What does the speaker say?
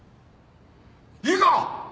いいか！？